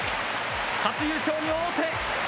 初優勝に王手。